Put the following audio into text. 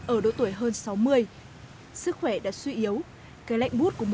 ở độ tuổi hơn sáu mươi sức khỏe đã suy yếu